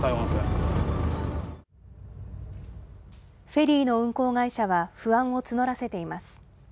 フェリーの運航会社は不安を募らせています。